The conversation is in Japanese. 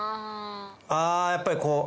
あやっぱりこう。